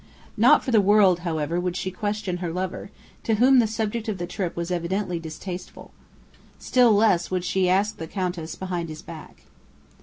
Not for the world, however, would she question her lover, to whom the subject of the trip was evidently distasteful. Still less would she ask the Countess behind his back.